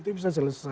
itu bisa selesai